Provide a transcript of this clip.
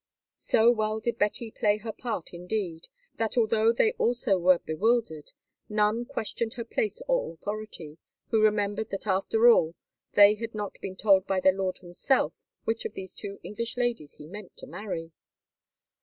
So well did Betty play her part indeed, that, although they also were bewildered, none questioned her place or authority, who remembered that after all they had not been told by their lord himself which of these two English ladies he meant to marry.